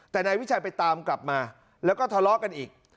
แต่นายวิชัยไปตามกลับมาแล้วก็ทะเลาะกันอีก